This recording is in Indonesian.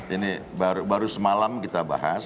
ini baru semalam kita bahas